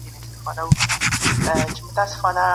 پرون ماشوم نوې موضوع زده کړه.